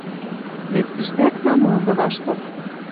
Вет тиштӓк намозы вашток